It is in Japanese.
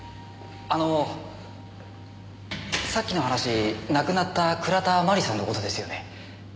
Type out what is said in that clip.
あのさっきの話亡くなった倉田真理さんの事ですよね？